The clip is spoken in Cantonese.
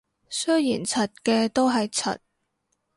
雖然柒嘅都係柒